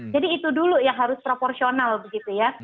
jadi itu dulu yang harus proporsional begitu ya